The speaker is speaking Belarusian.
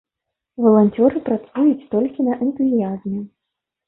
Валанцёры працуюць толькі на энтузіязме.